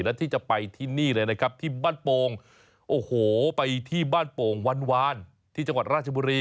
และที่จะไปที่นี่เลยนะครับที่บ้านโป่งโอ้โหไปที่บ้านโป่งวานที่จังหวัดราชบุรี